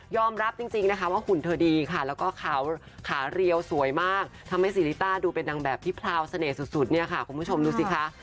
รับจริงนะคะว่าหุ่นเธอดีค่ะแล้วก็ขาวขาเรียวสวยมากทำให้ซีริต้าดูเป็นนางแบบที่พราวเสน่หสุดเนี่ยค่ะคุณผู้ชมดูสิคะ